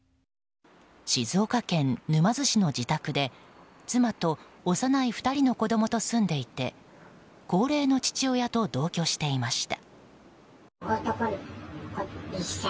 静岡県沼津市の自宅で妻と幼い２人の子供と住んでいて高齢の父親と同居していました。